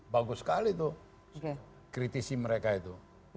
bagus sekali tuh kritisi mereka itu